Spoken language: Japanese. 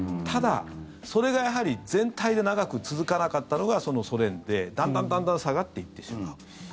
ただ、それがやはり、全体で長く続かなかったのがソ連でだんだん下がっていってしまう。